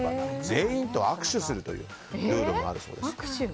全員と握手するというルールもあるそうです。